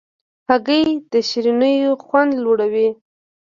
هګۍ د شیرینیو خوند لوړوي.